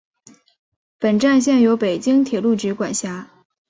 本站现由北京铁路局管辖。